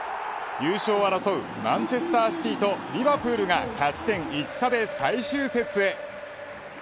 優勝を争うマンチェスターシティとリヴァプールが勝ち点１差で最終節へ。